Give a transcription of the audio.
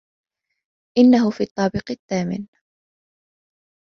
إنه في الطابق الثامن.